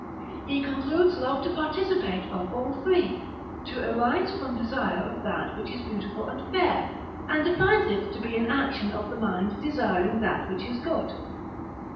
He concludes love to participate of all three, to arise from desire of that which is beautiful and fair, and defines it to be an action of the mind desiring that which is good.